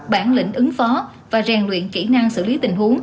bản lĩnh ứng phó và rèn luyện kỹ năng xử lý tình huống